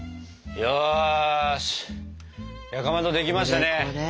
よしかまどできましたね。